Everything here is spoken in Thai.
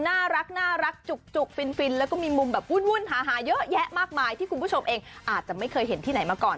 น่ารักจุกฟินแล้วก็มีมุมแบบวุ่นหาเยอะแยะมากมายที่คุณผู้ชมเองอาจจะไม่เคยเห็นที่ไหนมาก่อน